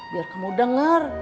biar kamu denger